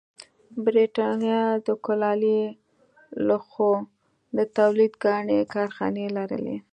برېټانیا د کولالي لوښو د تولید ګڼې کارخانې لرلې